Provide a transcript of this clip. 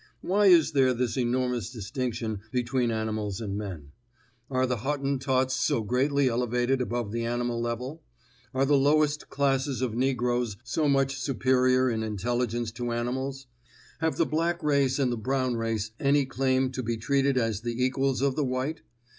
Why is there this enormous distinction between animals and men? Are the Hottentots so greatly elevated above the animal level; are the lowest classes of negroes so much superior in intelligence to animals? Have the black race and the brown race any claim to be treated as the equals of the white?